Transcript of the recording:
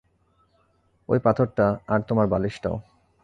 ওই পাথরটা, আর তোমার বালিশটাও।